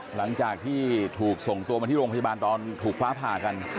หลังจากที่ถูกส่งตัวมาที่โรงพยาบาลตอนถูกฟ้าผ่ากัน